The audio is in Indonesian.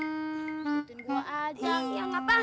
ikutin gua aja yang apa